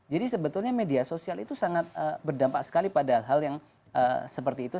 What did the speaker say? jadi sebetulnya media sosial itu sangat berdampak sekali pada hal yang seperti itu